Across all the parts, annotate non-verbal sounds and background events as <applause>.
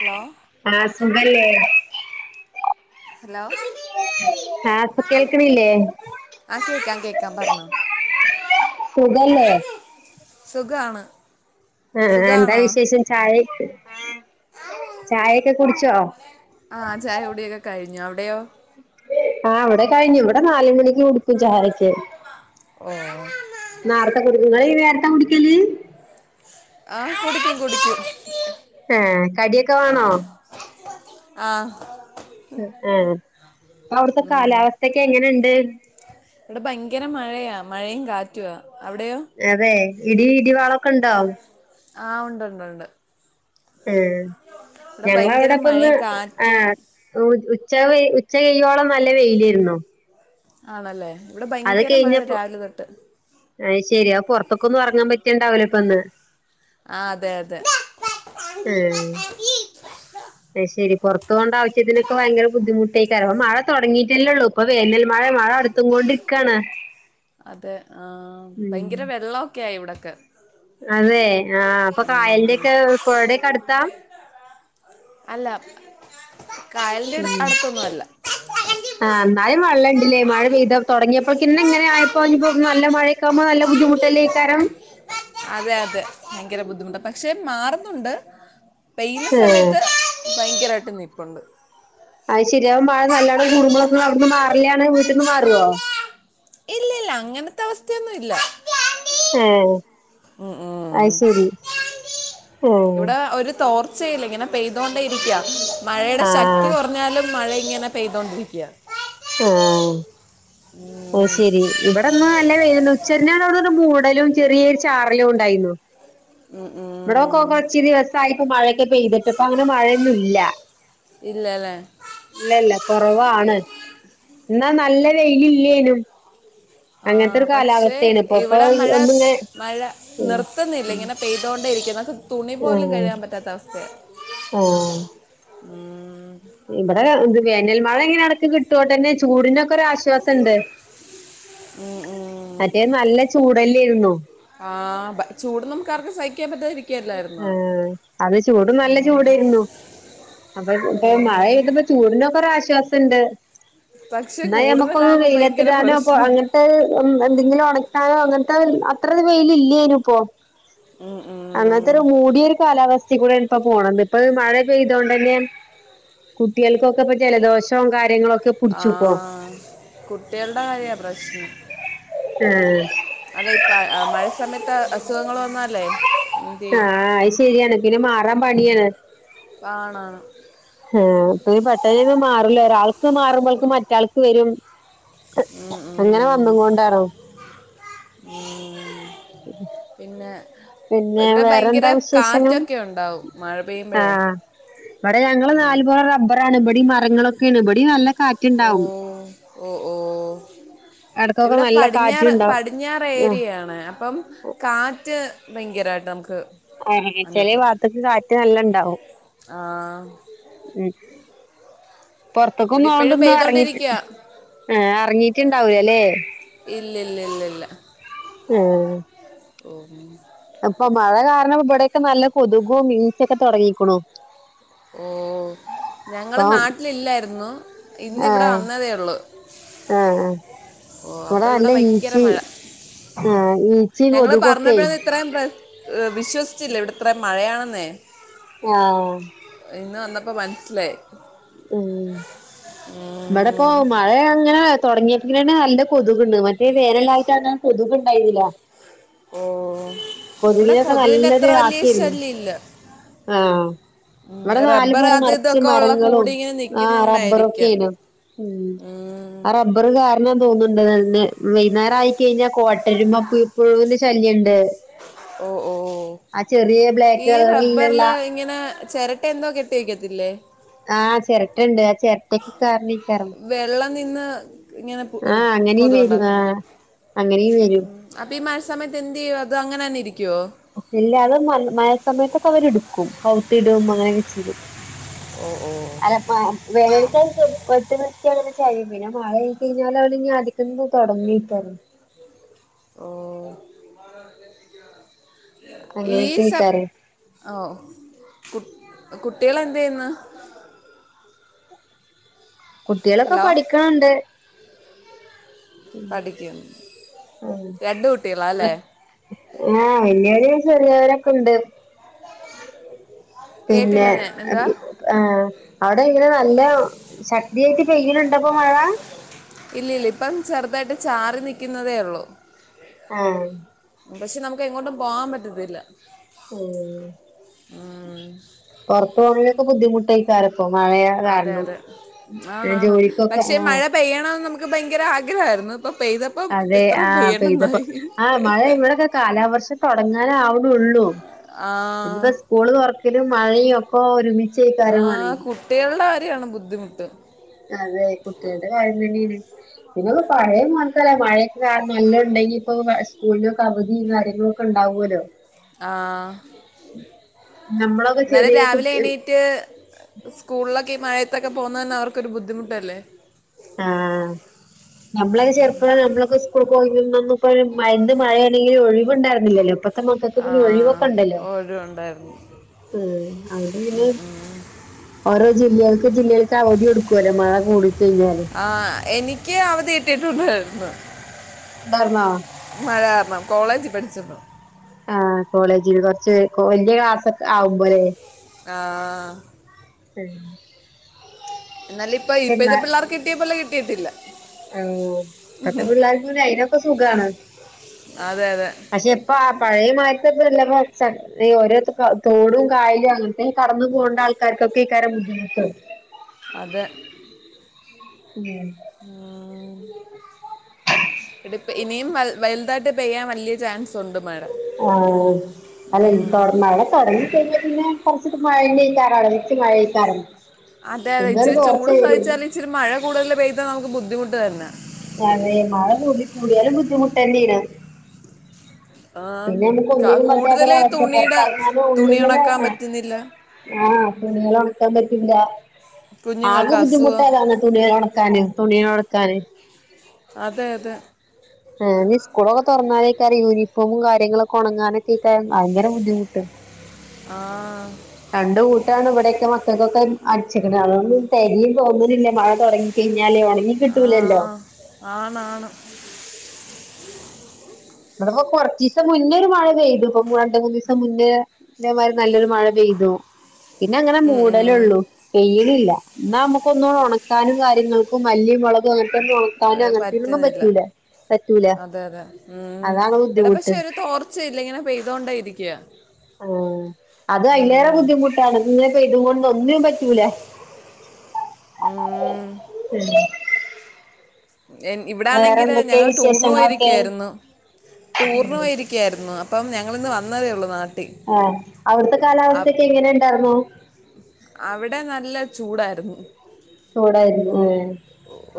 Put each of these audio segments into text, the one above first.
Hello ആ സുഖല്ലേ hello ആ ഇപ്പ കേൾക്കണില്ലേ ആ കേക്കാം കേക്കാം പറഞ്ഞോ സുഖല്ലേ സുഖാണ് ആ എന്താ സുഖാണോ വിശേഷം ചായ ചായ ഒക്കെ കുടിച്ചോ ആ ചായ കുടിയൊക്കെ കഴി പിന്നെ അവിടെയോ ആ ഇവിടെ കഴിഞ്ഞു ഇവിടെ നാല് മണിക്ക് കുടുക്കും ചായയൊക്കെ ഓ നാരത്തെ കൊടുക്ക നേരത്തെ കുടിക്കല് ആ കുടിക്കും കുടിക്കും ആ കടിയൊക്കെ വേണോ? ആഹ് ആ ഇപ്പ അവിടുത്തെ ഉം കാലാവസ്ഥൊക്കെ എങ്ങനെണ് <unintelligible> ഇവിടെ ഭയങ്കര മഴയാ മഴയും കാറ്റുവാ അവിടെയോ അതെ ഇടി ഇടിവാളൊക്കെ ഉണ്ടോ? ആ ഉണ്ട്ണ്ട് ഉണ്ട് ആ ഇവിടെ ഭയങ്കര ഞങ്ങളിവിടെപ്പ ഇന്ന് മഴയും ആ കാറ്റും ഉച്ച ഉച്ച കൈയ്യോളം നല്ല വെയിലായിരുന്നു ആണല്ലേ ഇവിടെ ഭയങ്കരമഴ രാവിലെ തൊട്ട് അ ശരി അപ്പ പുറത്തൊക്കൊ ഒന്ന് ഇറങ്ങാൻ പറ്റിയണ്ടാവലോ ഇപ്പൊന്ന് ആ അതെ അതെ പ്പ ശരി പുറത്തു കൊണ്ട ആവശ്യത്തിനൊക്കെ ഭയങ്കര ബുദ്ധിമുട്ടായിക്ക ക അ മഴ തുടങ്ങിയിട്ടല്ലേള്ളു ഇപ്പൊ വേനൽ മഴ മഴ അടുത്തും കൊണ്ടിരിക്കാണ് അതെ ഉം ക്ക് അതെ ആ അപ്പൊ കായലിന്റെ ഉം. ഒക്കെ പുഴയുടെക്കെ അടുത്ത അല്ല കായലിന്റെ അടു- ഉം അടുത്തൊന്നും അല്ല ആ എന്നയും വെള്ളം ഇല്ലേ മഴ പെയ്ത തുടങ്ങിയപ്പോക്കന്നെ ഇങ്ങനെ ആയപ്പോ അപ്പോ നല്ല മഴൊക്കാവുമ്പോ നല്ല ബുദ്ധിമുട്ടല്ലേ ക്കാരം അതെ അതെ ഭയങ്കര ബുദ്ധിമുട്ട് പക്ഷെ മാറുന്നുണ്ട് പെയ്യുന്ന ഏ സമയത്ത് ഭയങ്കരയിട്ട് നിപ്പുണ്ട് അത് ശരിയാകും മഴ നല്ലോണം കൂടുമ്പോളൊക്കും അവിടുന്ന് മാറില്ലാണ് വീട്ടിൽന്ന് മാറുവോ ഇല്ലല്ല അങ്ങനത്തെ അവസ്ഥയൊന്നും ഇല്ല ആ ഉം ഉം ഏ ഇവിടെ ഒരു തോർ തീച്ചല്ല ഇങ്ങനെ പെയ്തോണ്ടേ ഇരിക്കാ മഴയുടെ ആ ശക്തി കുറഞ്ഞാലും മഴ ഇങ്ങനെ പെയ്തോണ്ട്‌രിക്ക്യാ ആ അത് ശെരി ഇവിടെന്ന് നല്ല വെയില്ണ്ട് ഉച്ച ഞ്ഞാട് അവ്ട്ന്നൊരു മൂടലും ചെറിയെര് ചാറലുംണ്ടായ്ന്നു ഇവിടോക്കാെ കൊർച്ച് ദിവസായിട്ട് മഴെ പെയ്തിട്ട് ഇപ്പ അങ്ങനെ മഴെന്നുംല്ല ഇല്ല അല്ലേ ഇല്ലല്ല എ- കൊറവാണ് ന്നാ നല്ല വെയിലില്ലേനും ആ അങ്ങനത്തെ ഒരു പക്ഷെ കാലാവസ്ഥയാണ് ഇപ്പൊ ഇപ്പൊ ഇവ്ടെ മഴ ഒന്നിങ്ങനെ മഴ ഉം നിർത്ത്ന്നില്ല ഇങ്ങനെ പെയ്തോണ്ടേ ഇരിക്ക് അത് തുണി പോലും ഉം കഴ്കാൻ പറ്റാത്ത അവസ്ഥയാ ആഹ് ഊം ഇവിടെ ത് വേനൽമഴങ്ങനെ എടക്ക് കിട്ടാേണ്ടന്നെ ചൂടിനൊക്കെ ഒരാശ്വാസണ്ട് ഉം ഉം ചൂടല്ലേരുന്നോ ആ ചൂട് നമുക്കാർക്കും സഹിക്കാൻ പറ്റാതിരി ആ അത് ചൂട് നല്ല ചൂടേയ്ര്ന്നു അപ്പൊ ഇപ്പൊ മഴെയ്തപ്പോ ചൂട്നൊക്കെ പ്പ ആശ്വാസണ്ട് പക്ഷെ എന്നാൽ ഞമുക്കൊന്ന് കൂടുതലാകുമ്പോൾ വെയില ഭയങ്കര എത്തിടാനോ അപ്പ പ്രശ്നം അങ്ങനത്തെ എന്തെങ്കിലും ഉണക്കാനോ അങ്ങന ത്ത അത്ര വെയില ഇല്ലായിനും ഇപ്പൊ. ഉം, ഉം. അങ്ങൻത്തൊരു മൂടിയൊരു കാലാവസ്ഥി കൂടെ ഇപ്പൊ പോണം ഇപ്പൊ മഴ പെയ്തൊണ്ടെന്നെ കുട്ട്യേൾക്കൊക്കെ ഇപ്പ ജലദോഷം കാര്യങ്ങളൊ ആഹ് കുട്ട്യൾടെ കാര്യ പ്രശ്നം ആഹ് അല്ല ഇപ്പ മഴ സമയത്ത് അസുഖങ്ങൾ വന്നല്ലേ ഉം ആഹ് അഅ് ശെര്യാണ് പിന്നെ മാറാൻ പാ ഇങ്ങനെ കാണാം ഓ ഇപ്പ ഈ പെട്ടണൊന്നും മാറൂല ഒരാൾക്ക് മാറുമ്പോൾക്ക് മറ്റാൾക്ക് വരും ഉം, അങ്ങനെ ഉം. വന്ന് കൊണ്ടാണോ പിന്നെ പിന്നെ ഇവിടെ ഭയങ്കര വേറെന്താ വിശേഷണം കാറ്റൊക്കെ ഉണ്ടാവും മഴ പെയ്യുമ്പോഴേ ആഹ് ഇവടെ ഞങ്ങള് നാല് പറ റബ്ബർ ണ് ഇബടിം മരങ്ങളൊക്കെ ആണ് ഇബടിം നല്ല കാറ്റിണ്ടാവും ഓഹ് ഓഹ് ഇവിടെ നല്ല പടിഞ്ഞാറ് കാറ്റുണ്ടാവും പടിഞ്ഞാറ് ഉം ഏരിയയാണ് അപ്പം കാറ്റ് ഭയങ്കരായിട്ട് നമുക്ക് ആഹ് ചെലേ അനുഭവപ്പെടും ഭാത്തേക്ക് കാറ്റ് നല്ല ഇണ്ടാവും ആ പുറത്തൂക്കും ഇവിടെ ഇപ്പോഴും ന്നുണ്ടൊന്നും ഇറങ്ങിട്ട് പെയ്തോണ്ടിരിക്കുക ആഹ് എറങ്ങിട്ടുണ്ടാവല്ലേ ഇല്ല ഇല്ല ഇല്ല ഉം ഓഹ് അപ്പൊ മഴ കാരണം ഇവിടെക്കെ നല്ല കൊതുകോ മീച്ചൊക്കെ തുടങ്ങിക്കണു ഓഹ് ഞങ്ങള് ഇപ്പം നാട്ടിലില്ലായിരുന്നു ഇന്നിവിടെ ആഹ് വന്നതേ ഉള്ളു ആഹ് ഓഹ് അപ്പൊ ഇവടെ ഇവിടെ നല്ല ഭയങ്കര ഈച്ചിം മഴ ആഹ് ഈ ഈച്ചേ ഞങ്ങൾ കൊതുകൊക്കെ പറഞ്ഞപ്പോഴൊന്നും ഇത്രയും പ്ര- വിശ്വസിച്ചില്ല ഇവിടെ ഇത്ര മഴയാണെന്നേ ആഹ് അപ്പോൾ മനസ്സിലായി ഉം ഇവിടിപ്പോ ഉം. മഴ അങ്ങനെ തുടങ്ങിയങ്കിലാണ് നല്ല കൊതുകിണ്ട് മറ്റേ വേനല്ലായിട്ട് അങ്ങ് കൊതുക് ഇണ്ടായിന്നില്ല ഓ ഇവിടെ കൊതുവിന്റെ അത്ര നല്ലൊരു വല്യ ആക്കേര്ന്നു ശല്യം ഇല്ല ആഹ് ഇവിടെ നാല് റബ്ബർ പൊറ അത് നറച്ച് ഇതൊക്കെ ഉള്ള മരങ്ങളും കൂടി ഇങ്ങനെ ആഹ് നിക്കുന്നോണ്ടായിരിക്കാം റബ്ബറൊക്കെന്നു ഉം. ആഹ് റബ്ബറ് തോന്നുന്നുണ്ടന്നെ വൈന്നേരം ആയി കഴിഞ്ഞാൽ കോട്ടരുമ പു പ്പഴുവിന്റെ ശല്യണ്ട് ഓ അ ചെറീയെ ബ്ലാക്ക് കളർ റബ്ബറില് ഇങ്ങനെ ചിരട്ട എന്തോ കെട്ടി വക്കത്തില്ലേ? ആഹ് ചിരട്ടുണ്ട് ആ ചിരട്ടക്കെ കണി വെള്ളം നിന്ന് ഇങ്ങനെ ആഹ് അങ്ങനെയും കൊതു വരും ഉണ്ടാകത്തില്ലേ ആഹ് അങ്ങനെയും വരും അപ്പൊ ഈ മ സമയത്ത് എന്ത് ചെയ്യും അതങ്ങനെ തന്ന ഇരി ഇല്ല അത് മ മഴ സമയത്ത് അവരെടുക്കും കൗത്തിടും അങ്ങനെയൊക്കെ ചെയ്യും. ഓ ഓ അ <unintelligible> പെട്ടന്ന് ക്കങ്ങനെ ചഴും പിന്നെ മഴ ആയി കഴിഞ്ഞാൽ ആദ്യക്കന്നു തുടങ്ങയിക്കാരം. ഓ അങ്ങനെയൊക്കെ ഈസ ആയിക്കാരം ഓ കു കുട്ടികള് എന്ത ചെയ്യന്ന്? കുട്ടികളൊക്കെ ഹലോ പഠിക്കണിണ്ട്. പഠിക്കുന്നു ആ രണ്ട് കുട്ടികളാ അല്ലേ ആഹ വല്യോൽ ചെറിയവരൊക്കെ ഉണ്ട് പിന്നെ കേട്ടില്ല ഞാൻ എന്താ ഏ അവിടെ എങ്ങനെ നല്ല ശക്തിയായിട്ട് പെയ്യിനിണ്ടൊപ്പോ മഴ ഇല്ല ഇല്ല ഇപ്പം ചെറുതായിട്ട് ചാറി നിക്ക്ന്നതേ ഒള്ളൂ ആഹ് പക്ഷെ നമുക്ക് എങ്ങോട്ടും പോകാൻ പറ്റത്തില്ല ഉം ഉം, പൊറത്ത് പോവണെങ്കിക്കെ ബുദ്ധിമുട്ടായി കാര അതെ അതെ ആണാണ് ജോലിക്കൊക്കെ പക്ഷെ ആഹ് മഴ പെയ്യണംന്ന് നമുക്ക് ഭയങ്കര ആഗ്രഹമായിരുന്നു ഇപ്പൊ പെയ്തപ്പം അതെ ഇത്രയും ആഹപെയ്‌തപ്പോ പെയ്യണ്ടെന്നായി ആ മഴ ഇവിടെക്കെ കാലാവർഷം തുടങ്ങാനാവ്ണൊള്ളൂ ആ ഇഞ്പ്പോ സ്കൂള് തുറക്കലും മഴയും ഒക്കെ ഒരുമിച്ച് ആ കുട്ടികള്ടെ കാ കാര്യാണ് ബുദ്ധിമുട്ട് അതെ കുട്ടികളുടെ കാര്യം തന്നെയാണ് പിന്നെ പഴയ മായിരിക്കല്ല മഴയൊക്കെ നല്ലോം ഉണ്ടെങ്കി ഇപ്പൊ സ്കൂളിനൊക്കെ അവധി കാര്യങ്ങളൊക്കെ ഉണ്ടാവുമല്ലോ ആ നമ്മളൊക്കെ എന്നാലെ ചെറിയ രാവിലെ കുട്ടി എണീറ്റ് സ്കൂളിലൊക്കെ മഴ ത്തക്ക പോകുന്നതന്നെ അവർക്ക് ഒരു ബുദ്ധിമുട്ടല്ലേ ആ നമ്മളൊക്കെ ചെറുപ്പ നമ്മളൊക്കെ പോന്ന ഇപ്പഴും മയ മഴയാണെങ്കില ഒഴിവുണ്ടരുന്നില്ലല്ലോ ഇപ്പൊ മക്കൾക്ക് ആ പിന്നെ ഒഴിവൊക്കെ ഉണ്ടല്ലോ ഓരോ ഉണ്ടായിരുന്നു ഉം അതൊണ്ട് പിന്നെ ഓരോ ജില്ലകൾക്ക് ജില്ലകൾക്ക് അവധി കൊടുക്കുവല്ലോ മഴ കൂടിക്കഴിഞ്ഞാൽ ആ എനിക്ക് അവധി കിട്ടിയിട്ടുണ്ടായിരുന്ന ഉണ്ടാർന്നോ മഴ കാരണം കോളേജ് പഠിച്ചപ്പ ആ കോളേജിൽ കൊറച്ച് വലയ ക്ലാസ്സെക്കെ ആവുമ്പോഴല്ലേ ആ <inaudible> എന്നാലും ഇപ്പൊ ച്ച് ന്ന ഇപ്പോഴത്തെ പിള്ളേർക്ക് കിട്ടിയ പോലെ കിട്ടിയിട്ടില്ല ഇപ്പത്തെ പിള്ളേർക്ക് അയിതിനൊക്കെ സുഖാണ് അതെ അതെ പക്ഷെ ഇപ്പ ആ പഴയ മഴത്തപ്പല്ലപ്പോ സത്യം ഓരോ തോടും കായലും അങ്ങനത്ത കടന്നു പോകേണ്ട ആൾക്കാർക്കൊക്കെ ഈ കാര്യം ബുദ്ധിമുട്ടാകും അതെ ഉം ഉം ഇടുപ്പ് ഇനിയും വലുതായിട്ട് പെയ്യാൻ വലിയ ചാൻസ് ഉണ്ട് മഴ ആ അല്ലെ <unintelligible> മഴ തുടങ്ങി പിന്നെ പിന്നെ കുറച്ചിട്ട് മഴക്കാറോ നച്ച് മഴ കഴക്കാറണ്ട് അതെ അതെ ഇച്ചിരി ചൂട് സഹിച്ചാലും ഇച്ചിരി മഴ കൂടുതൽ പെയ്താ നമു ബുദ്ധിമുട്ട് വരുന്നെ ഞാനെ മഴ കൂ കൂടിയാലും ബുദ്ധിമുട്ട്ന്നെയാണ് പിന്നെ നമുക്ക് ഒന്നിനും പറ്റാത്തൊ കൂടുതൽ അവസ്ഥ തുണിയുടെ പുറത്തിറങ്ങാനും തുണി ഉള്ള ഉണക്കാൻ പറ്റുന്നില്ല ആഹ തുണികൾ ഉണക്കാൻ പറ്റില്ല ആകെ കുഞ്ഞുങ്ങൾക്ക് അസുഖം ബുദ്ധിമുട്ടതന്ന തുണികൽ ഉണക്കാന് തുണികൽ ഉണക്കാന് അതെ അതെ ഏ ഇനി സ്കൂളൊക്കെ തുറന്നാലേക്കെറ യൂണിഫോമും കാര്യങ്ങളൊക്കെ ഉണങ്ങാനൊക്കെക്ക ഭയങ്കര ബുദ്ധിമുട്ട് ആ രണ്ട് ഇവിടെയൊക്കെ മക്കൾക്കൊക്കെ അടച്ചിക്കണ് അതൊന്നും തെരിയും തോന്നുന്നില്ല മഴ തുടങ്ങ കഴിഞ്ഞിട്ട് ഞാലേ ഉണങ്ങി ആ കിട്ടൂലല്ലോ ആണാണ് അപ്പൊ കൊറച്ച് ദിവസം മുന്നേ ഒരു മഴ പെയ്തു ഇപ്പൊ രണ്ട് മൂന്ന് ദിവസം മുന്നേമാരി നല്ലൊരു മഴ പെയ്തു പിന്നെ അങ്ങനെ ഉം, ഉം. മൂടലള്ളൂ പെയിലില്ല എന്നാ നമ്മുക്ക് ഒന്നുക ഉണ- കാനും കാര്യങ്ങൾക്കും മല്ലി മു ക് അങ്ങനത്തെ നോക്കാനും ഏഹ് അങ്ങനത്തന്നൊന്നും പറ്റുന്നില്ല പറ്റൂല പറ്റൂല അതെ അതെ ഉം അതാണ് എടാ പക്ഷെ ബുദ്ധിമുട്ട് ഒരു തോർച്ച ഇല്ല ഇങ്ങനെ പെയ്തോണ്ട ഇരിക്കയാ ആ അത് അതിലേറെ ബുദ്ധിമുട്ടാണ് ഇങ്ങനെപെയ്തുകൊണ്ട ഒന്നിന്നും പറ്റൂലേ <unintelligible> ഇവിടെ വേറെ ആണെങ്കിൽ എന്തൊക്കെ ഞങ്ങൾ ടൂറിന് വിശേഷങ്ങളൊക്കെ പോയിരിക്കയായിരുന്നു ടൂറിന് പോയിരിക്കുവയായിരുന്നു അ അപ്പം ഞങ്ങളിന്ന് വന്നതേ ഉള്ളൂ നാട്ടി ആ അവിടുത്തെ കാലാവസ്ഥയൊക്കെ എങ്ങനെ ഉണ്ടായിരുന്നു അവിടെ നല്ല ചൂടായിരുന്നു ചൂടായിരുന്നു ആ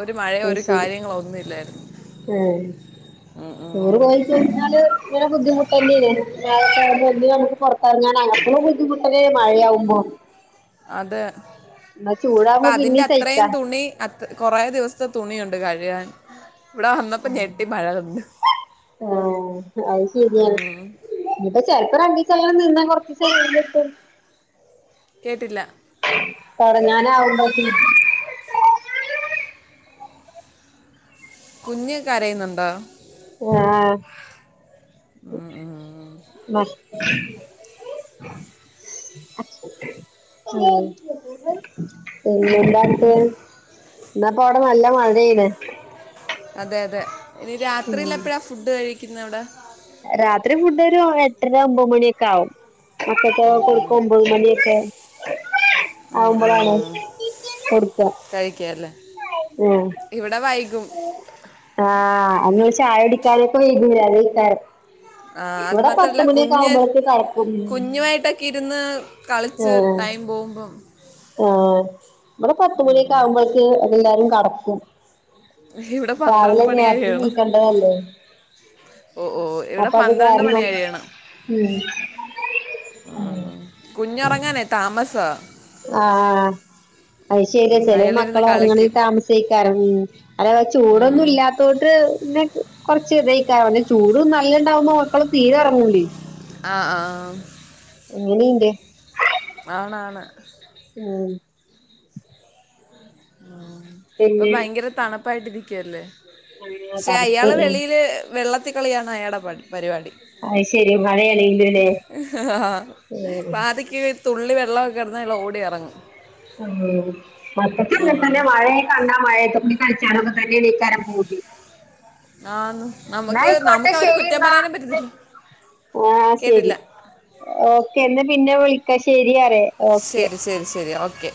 ഒരു മഴയോ അ ഒരു ശരി കാര്യങ്ങളോ ഒന്നുമില്ലായിരുന്നു ആഹ ഉം, ടൂറ് ഉം. പോയി കിഞ്ഞാല് ഇങ്ങനെ ബുദ്ധിമുട്ടന്നായിരുന്നു വ നമുക്ക് പുറത്തിറങ്ങാൻ അങ്ങനക്ക ബുദ്ധിമുട്ടന്ന മഴയാവുമ്പോ അത് എന്നാ അപ്പൊ ചൂടാവുമ്പോ അതിന്റെ പിന്നേം അത്രയും സഹിക്കാ തുണി അത് കൊറ ദിവസത്തെ തുണിയുണ്ട് കഴുകാൻ ഇവിടെ വന്നപ്പോ ആ ഞെട്ടി മഴ തന്നു ആഹ അത് ശരിയാണ് ഉം. ഇനിപ്പം ചെലപ്പം രണ്ടീസ <unintelligible> കേട്ടില്ല തുടങ്ങാനവുമ്പോഴത്തിന് കുഞ്ഞ് കരയുന്നുണ്ടോ ആഹ് ബ പിന്നെന്താണ് ഇപ്പ അവിടെ നല്ല മഴെയാണ് അതെ അതെ രാത്രിയിലപ്പോഴാ ഫുഡ് കഴിക്കു ഇന്നിവിടെ രാത്രി ഫുഡൊരു എട്ടര ഒമ്പത് മണിയൊക്കെ ആകും മക്കൾക്ക് കൊടുക്കുമ്പോൾ ഒമ്പത് മണിയൊക്കെ ഉം, ആവുമ്പോഴാണ് ഉം. കൊടുക്ക കഴിക്കല്ലേ ഇവിടെ വൈകും <unintelligible> <unintelligible> ആ അത് ഇവിടെ പത്ത് മാത്രല്ല മണിയൊക്കെ കുഞ്ഞ് ആവുമ്പോഴേക്ക് കടക്കും കുഞ്ഞുമായിട്ടൊക്കെ ഇരുന്ന് കളിച്ച് ആഹ് ടൈം പോകുമ്പം ആഹ് ഇവിടെ പത്തുമണിയക്കെയാ കുമ്പോഴക്ക് എല്ലാവാരും കിടക്കും ഉം ഇവിടെ പന്ത്രണ്ട് മണിായിയണം നീക്കണ്ടതല്ലേ ഓ ഓ ഇവിടെ അപ്പൊ അത് പന്ത്രണ്ട് കാരണം മണിയഴിയണം ഉം ഉ കുഞ്ഞുറങ്ങാനെ താമസാ ആഹ് അത് ശരിയ ഉം, അയാളിരുന്ന് ചെലേമക്കലോറ ങ്ങണെങ്കി കളിക്കും താമസിക്കാറ ഉ അല്ല ചൂടൊന്നും ഉം. ഇല്ലാത്തോട്ട് പിന്നെകൊറ തക്കെ ചൂടും നല്ലണ്ടാവുന്ന മക്കളും തീരെറങ്ങൂലേ ആ ആഹ് എങ്ങനെയണ്ട് ആണ് ആണ് ഉം <inaudible> ഇപ്പൊ പിന്നെ ഭയങ്കര തണുപ്പ പൈട്ട്തിക്കുകല്ലേ ആഹ് പക്ഷെ തണുപ്പ് അയാളെ ഉം വെളിയില് വെള്ളത്തി കളിയാണ് അയാടെ പണീ അത് ശെരി മഴയളലൂല്ലേ മ്മ് പാതിക്ക് തുള്ളി വെള്ളമൊക്കെകെടന്ന അയാൾ ഓടി ഇറങ്ങും ഇങ്ങനെ ഉം. തന്നെ വഴെക്കാണ് മഴയത്തെ കൂടി കളിച്ചാണൊക്കെ തന്നെണീക്കാരം പൂതി ആന്ന് എന്നാ നമുക്ക് ആയ്ക്കോട്ടെ നമുക്ക് അവരെ ശരി കുറ്റം ന്നാ പറയാനും പറ്റത്തില്ല ആഹ് ശരി കേട്ടില്ല ഓക്കെ എന്ന പിന്നെ വിളി കഷെ ശരിറേ ഓക്കെ ശരി ശരി ശരി ഓക്കെ